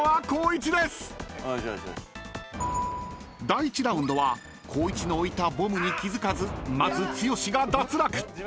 ［第１ラウンドは光一の置いたボムに気付かずまず剛が脱落］